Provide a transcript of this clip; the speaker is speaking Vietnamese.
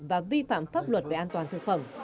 và vi phạm pháp luật về an toàn thực phẩm